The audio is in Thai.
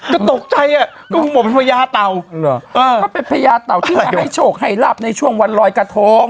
ก็ตกใจอ่ะก็คงบอกเป็นพญาเตาเขาเป็นพญาเตาที่มาให้โฉกให้รับในช่วงวันรอยกระทง